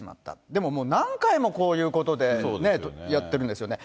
でももう、何回もこういうことで、やってるんですよね。